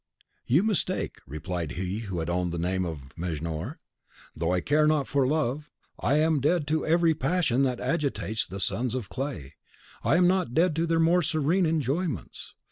"You mistake," replied he who had owned the name of Mejnour, "though I care not for love, and am dead to every PASSION that agitates the sons of clay, I am not dead to their more serene enjoyments.